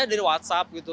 saya dari whatsapp gitu